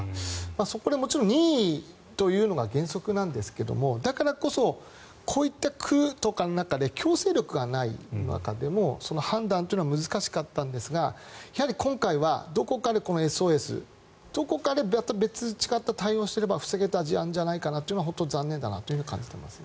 そこで、もちろん任意というのが原則なんですがだからこそこういった区とかの中で強制力がない中での判断というのは難しかったんですがやはり今回はどこかでこのＳＯＳどこかで別の違った対応をしていれば防げた事案じゃないかと感じていますね。